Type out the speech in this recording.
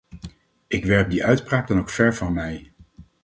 Ik werp die uitspraak dan ook ver van mij.